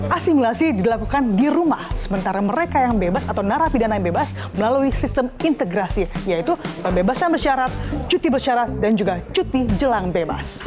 asimilasi dilakukan di rumah sementara mereka yang bebas atau narapidana yang bebas melalui sistem integrasi yaitu pembebasan bersyarat cuti bersyarat dan juga cuti jelang bebas